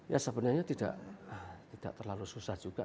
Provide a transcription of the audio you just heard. ya sebenarnya tidak terlalu susah juga